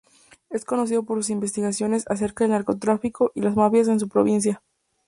Es conocido por sus investigaciones acerca del narcotráfico y las mafias en su provincia.